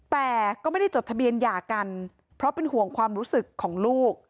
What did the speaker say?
แต่ก็ไม่ได้จดทะเบียนหย่ากันเพราะเป็นห่วงความรู้สึกของลูก